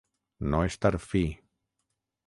No estar fi.